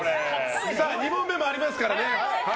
２問目参りますからね。